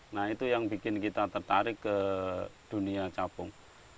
nah itu yang bikin kita tertarik ke dunia capung